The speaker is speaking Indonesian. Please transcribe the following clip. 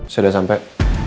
saya udah sampai